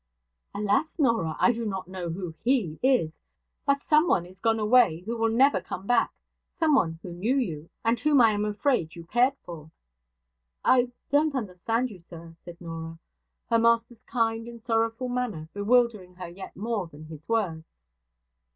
'Alas, Norah! I do not know who "he" is. But someone is gone away who will never come back: someone who knew you, and whom I am afraid you cared for.' 'I don't understand you, sir,' said Norah, her master's kind and sorrowful manner bewildering her yet more than his words.